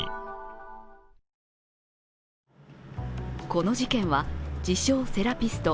この事件は自称・セラピスト